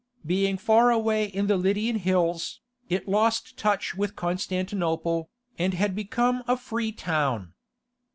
Being far away in the Lydian hills, it lost touch with Constantinople, and had become a free town.